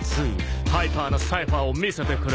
「ハイパーなサイファーを見せてくれ」